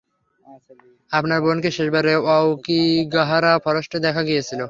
আপনার বোনকে শেষবার অওকিগাহারা ফরেস্টে দেখা গিয়েছিল।